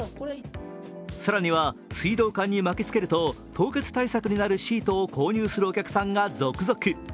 更には水道管に巻きつけると凍結対策になるシートを購入するお客さんが続々。